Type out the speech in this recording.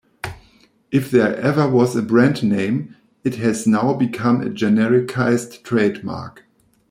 If there ever was a brand name, it has now become a genericized trademark.